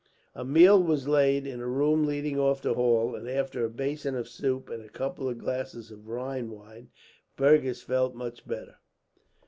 A meal was laid, in a room leading off the hall; and after a basin of soup and a couple of glasses of Rhine wine, Fergus felt much better.